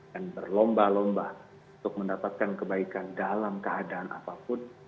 dan berlomba lomba untuk mendapatkan kebaikan dalam keadaan apapun